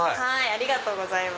ありがとうございます。